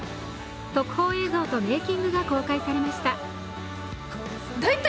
特報映像とメイキングが公開されました。